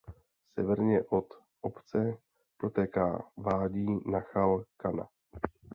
Severně od obce protéká vádí Nachal Kana.